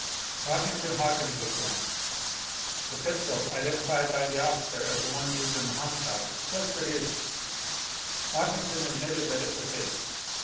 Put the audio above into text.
Washington Hawkins was sworn. The pistol, identified by the officer as the one used in the homicide, was produced Washington admitted that it was his.